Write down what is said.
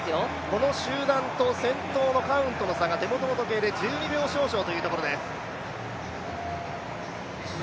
この集団と先頭のカウントの差が１２秒少々というところです。